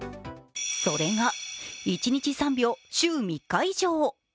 それが１日３秒週３日以上。